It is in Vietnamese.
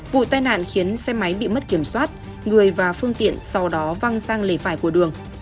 vụ tai nạn khiến xe máy bị mất kiểm soát người và phương tiện sau đó văng sang lề phải của đường